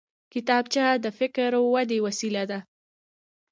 کتابچه د فکري ودې وسیله ده